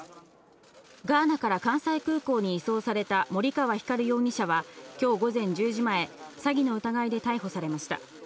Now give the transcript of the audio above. ガーナから関西空港に移送された森川光容疑者は今日午前１０時前、詐欺の疑いで逮捕されました。